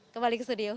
kembali ke studio